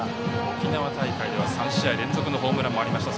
沖縄大会では３試合連続のホームランもありました。